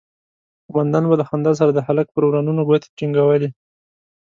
قومندان به له خندا سره د هلک پر ورنونو گوتې ټينگولې.